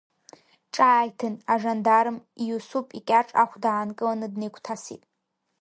Ҿааиҭын, ажандарм, Иусуп икьаҿ ахәда аанкыланы, днаигәҭасит.